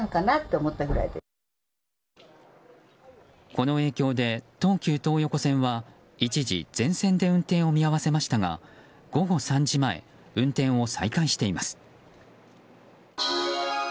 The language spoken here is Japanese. この影響で東急東横線は一時、全線で運転を見合わせましたが午後３時前運転を再開しています。